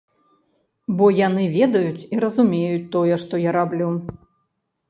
Бо яны ведаюць і разумеюць тое, што я раблю.